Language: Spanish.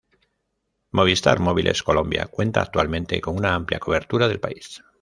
Movistar Móviles Colombia cuenta actualmente con una amplia cobertura del país.